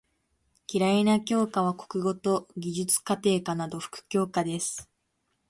嫌いな教科は国語と技術・家庭科など副教科です。